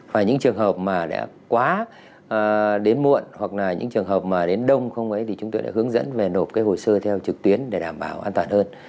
và những trường hợp mà đã quá đến muộn hoặc là những trường hợp mà đến đông không ấy thì chúng tôi đã hướng dẫn về nộp cái hồ sơ theo trực tuyến để đảm bảo an toàn hơn